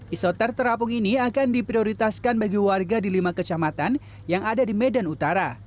isoter terapung ini akan diprioritaskan bagi warga di lima kecamatan yang ada di medan utara